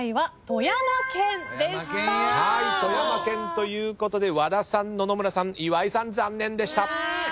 富山県ということで和田さん野々村さん岩井さん残念でした。